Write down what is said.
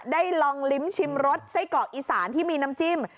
ได้ลองลิ้มชิมรสไส้เกาะอีสานที่มีน้ำจิ้ม